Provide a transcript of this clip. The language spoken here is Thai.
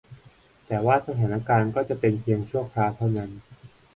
แต่ว่าสถานการณ์ก็จะเป็นเพียงชั่วคราวเท่านั้น